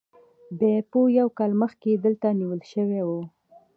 بیپو یو کال مخکې دلته نیول شوی و.